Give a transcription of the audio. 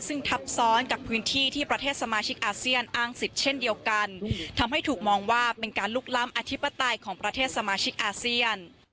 ซึ่งทับซ้อนกับพื้นที่ที่ประเทศสมาชิกอาเซียนอ้างสิทธิ์เช่นเดียวกันทำให้ถูกมองว่าเป็นการลุกล้ำอธิปไตยของประเทศสมาชิกอาเซียน